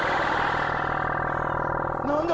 何だ？